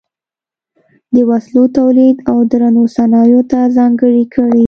د وسلو تولید او درنو صنایعو ته ځانګړې کړې.